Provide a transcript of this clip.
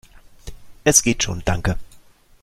Es geht schon, danke!